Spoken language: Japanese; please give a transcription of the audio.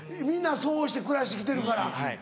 みんなそうして暮らして来てるから。